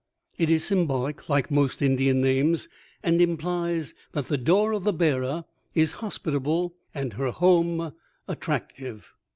It is symbolic, like most Indian names, and implies that the door of the bearer is hospitable and her home attractive.